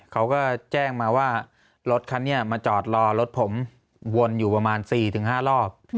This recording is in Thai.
เขาก็แจ้งมาว่ารถคันนี้มาจอดรอรถผมวนอยู่ประมาณ๔๕รอบ